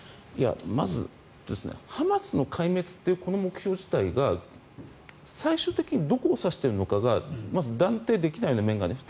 まずハマスの壊滅というこの目標自体が最終的にどこを指しているのかがまず断定できない面があります。